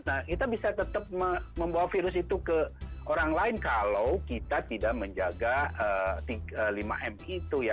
nah kita bisa tetap membawa virus itu ke orang lain kalau kita tidak menjaga lima m itu ya